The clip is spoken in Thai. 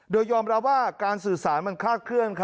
โดยยอมรับว่าการสื่อสารมันคลาดเคลื่อน